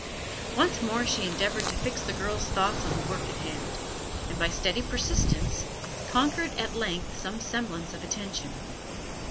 Once more she endeavoured to fix the girl's thoughts on the work in hand, and by steady persistence conquered at length some semblance of attention.